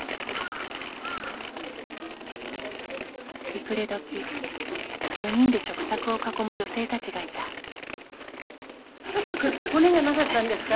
日暮れどき４人で食卓を囲む女性たちがいた。